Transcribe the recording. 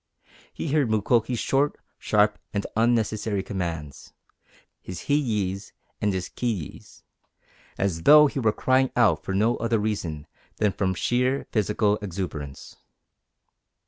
He heard Mukoki's short, sharp, and unnecessary commands, his hi yi's and his ki yi's, as though he were crying out for no other reason than from sheer physical exuberance.